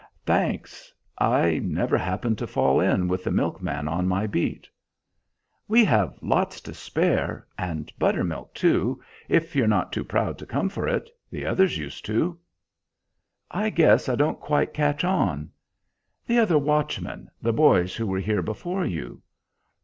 "Thanks; I never happened to fall in with the milkman on my beat." "We have lots to spare, and buttermilk too, if you're not too proud to come for it. The others used to." "I guess I don't quite catch on." "The other watchmen, the boys who were here before you."